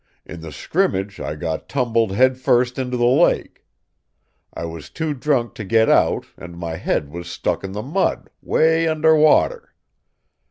In the scrimmage I got tumbled headfirst into the lake. I was too drunk to get out, and my head was stuck in the mud, 'way under water.